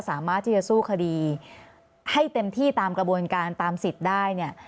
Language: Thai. สามารถที่จะสู้คดีให้เต็มที่ตามกระบวนการตามสิทธิ์ได้เนี่ย